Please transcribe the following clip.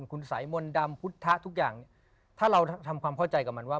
คุณสายมนต์ดำพุทธทุกอย่างเนี่ยถ้าเราทำความเข้าใจกับมันว่า